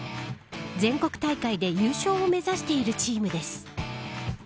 全国大会で優勝を目指しているチームです。